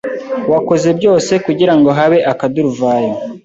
wakoze byose kugirango habe akaduruvayo